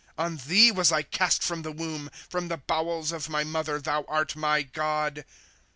'" On thee was I east from the womb ; From the bowels of my mother thou art my God.